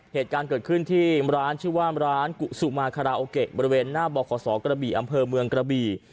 เหตุการณ์เกิดขึ้นที่ร้านชื่อว่าร้านกุสุมาคาราโอเกะบริเวณหน้าบขกระบี่อำเภอเมืองกระบี่